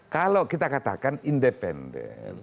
kalau kita katakan independen